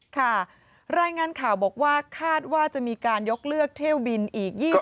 ค่ะรายงานข่าวบอกว่าคาดว่าจะมีการยกเลิกเที่ยวบินอีก๒๐